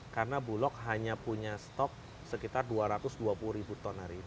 karena bulog hanya punya stok sekitar dua ratus dua puluh ribu ton hari ini